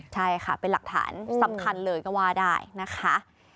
ใช่ค่ะเป็นหลักฐานสำคัญเลยก็ว่าได้นะคะ